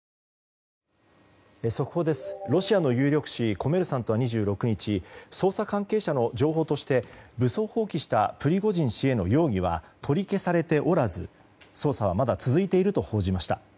速報です、ロシアの有力紙コメルサントは２６日捜査関係者の情報として武装蜂起したプリゴジン氏への容疑は取り消されておらず捜査はまだ続いていると報じました。